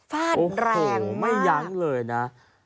เอ้าโหไม่ยั้งเลยนะ